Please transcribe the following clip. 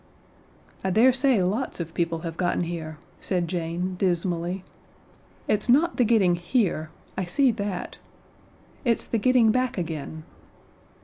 "I daresay lots of people have gotten here," said Jane, dismally. "It's not the getting here I see that it's the getting back again.